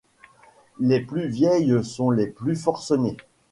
Les plus vieilles sont les plus forcenées.